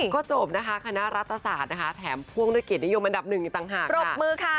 ก็จบนะคะคณะรัฐศาสตร์นะคะแถมพ่วงด้วยเกียรตินิยมอันดับหนึ่งอีกต่างหากปรบมือค่ะ